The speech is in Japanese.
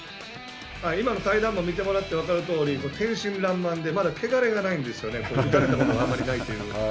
今の対談を見てもらっても分かるとおり、天真爛漫でまだ汚れがないので打たれたことがあまりないという。